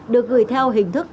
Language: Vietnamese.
được gửi theo hình thức